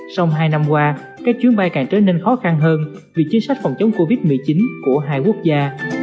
trong hai năm qua các chuyến bay càng trở nên khó khăn hơn vì chính sách phòng chống covid một mươi chín của hai quốc gia